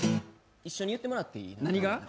一緒に言ってもらっていい？